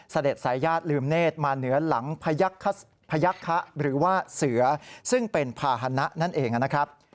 สายญาติลืมเนธมาเหนือหลังพยักษะหรือว่าเสือซึ่งเป็นภาษณะนั่นเองนะครับ